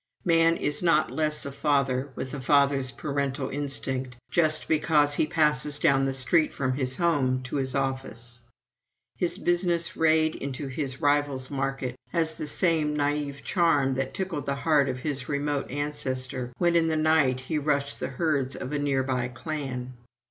Man is not less a father, with a father's parental instinct, just because he passes down the street from his home to his office. His business raid into his rival's market has the same naïve charm that tickled the heart of his remote ancestor when in the night he rushed the herds of a near by clan.